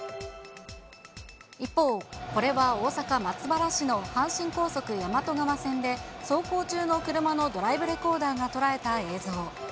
一方、これは大阪・松原市の阪神高速大和川線で、走行中の車のドライブレコーダーが捉えた映像。